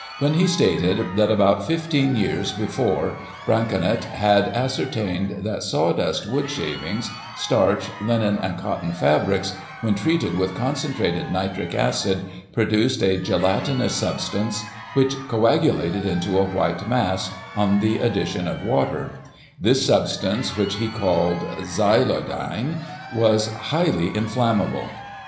when he stated that, about fifteen years before, Braconnot had ascertained that saw dust, wood shavings, starch, linen and cotton fabrics, when treated with concentrated nitric acid, produced a gelatinous substance, which coagulated into a white mass, on the addi tion of water ; this substance, which he called " xyloidine," was highly inflammable.